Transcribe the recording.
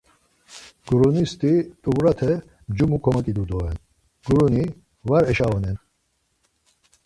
Gurunisti t̆uvrate ncumu komoǩidu doren, guruni var eşaonen.